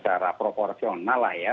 secara proporsional lah ya